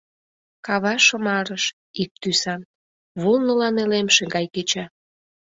Кава шымарыш — ик тӱсан, вулныла нелемше гай кеча.